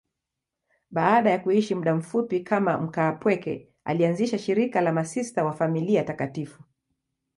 Baada ya kuishi muda mfupi kama mkaapweke, alianzisha shirika la Masista wa Familia Takatifu.